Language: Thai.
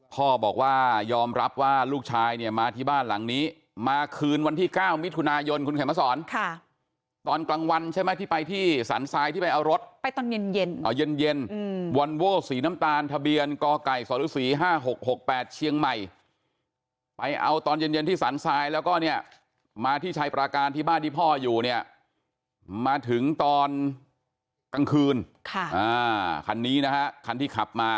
พ่อบอกว่ายอมรับว่าลูกชายเนี่ยมาที่บ้านหลังนี้